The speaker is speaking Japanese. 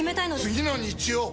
次の日曜！